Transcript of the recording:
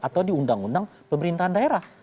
atau di undang undang pemerintahan daerah